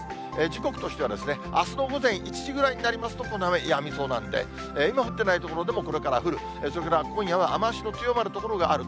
時刻としては、あすの午前１時ぐらいになりますと、この雨、やみそうなんで、今降ってない所でも、これから降る、それから今夜は雨足の強まる所がある。